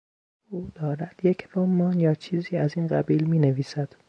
او دارد یک رمان یا چیزی از این قبیل مینویسد.